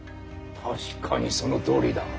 確かにそのとおりだ。